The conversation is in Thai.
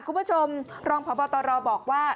คุณผู้ชมรองพบตรบอกว่า